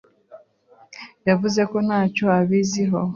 Yavuze ko ntacyo abiziho.